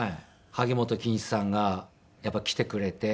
萩本欽一さんがやっぱり来てくれて。